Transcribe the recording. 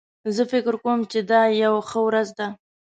زه فکر کوم چې دا یو ښه ورځ ده